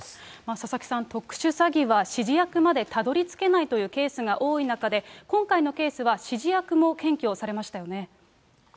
佐々木さん、特殊詐欺は指示役までたどりつけないというケースが多い中で、今回のケースは指示役も検挙されましたよね。